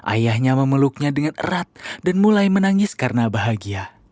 ayahnya memeluknya dengan erat dan mulai menangis karena bahagia